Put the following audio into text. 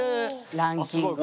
ランキングは。